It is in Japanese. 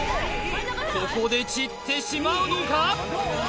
ここで散ってしまうのか！？